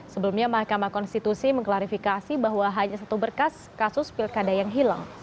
sebelumnya mahkamah konstitusi mengklarifikasi bahwa hanya satu berkas kasus pilkada yang hilang